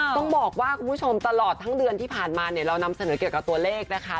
ต้องบอกว่าคุณผู้ชมตลอดทั้งเดือนที่ผ่านมาเนี่ยเรานำเสนอเกี่ยวกับตัวเลขนะคะ